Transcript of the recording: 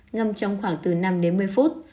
ngâm trong khoảng từ năm đến một mươi phút